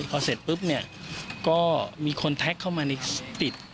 พอเสร็จปุ๊บเนี่ยก็มีคนแท็กเข้ามาในติด